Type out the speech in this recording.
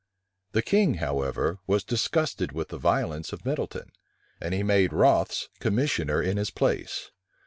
The king, however, was disgusted with the violence of Middleton;[*] and he made Rothes commissioner in his place.